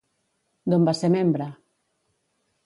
D'on va ser membre?